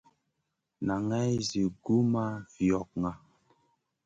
Naŋay zi gu ma fiogŋa.